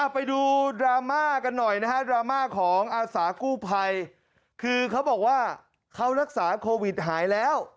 ไปดูดราม่ากันหน่อยนะฮะดราม่าของอาสากู้ภัยคือเขาบอกว่าเขารักษาโควิดหายแล้ว